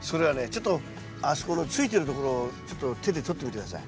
ちょっとあそこのついてるところをちょっと手でとってみて下さい。